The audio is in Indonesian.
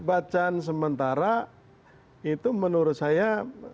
bacaan sementara itu menurut saya